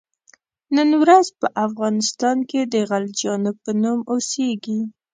نن ورځ په افغانستان کې د غلجیانو په نوم اوسیږي.